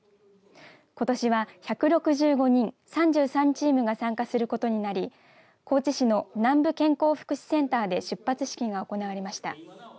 ことしは１６５人３３チームが参加することになり高知市の南部健康福祉センターで出発式が行われました。